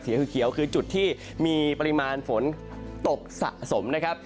เขียวคือจุดที่มีปริมาณฝนตกสะสมนะครับ